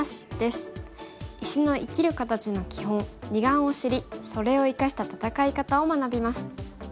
石の生きる形の基本二眼を知りそれを生かした戦い方を学びます。